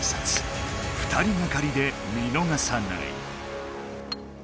２人がかりで見のがさない。